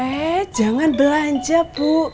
eh jangan belanja bu